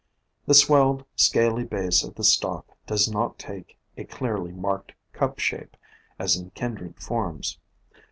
The swelled, scaly base of the stalk does not take a clearly marked cup shape, as in kindred forms.